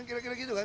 kira kira gitu kan